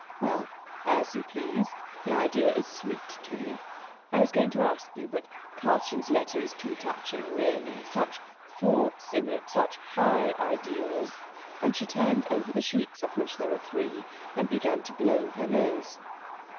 "Well, as you please. The idea is sweet to me. I was going to ask you but Karlchen's letter is too touching, really such thoughts in it such high ideals " And she turned over the sheets, of which there were three, and began to blow her nose.